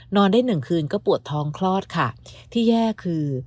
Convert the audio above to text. นอนได้๑คืนก็ปวดท้องคลอดค่ะที่แย่คือ